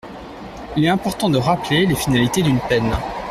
Il est important de rappeler les finalités d’une peine.